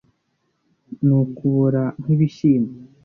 ni ukubora nk'ibishyimbo